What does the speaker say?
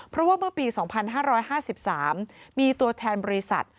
เพราะว่าเมื่อปี๒๕๕๓มีตัวแทนบริษัท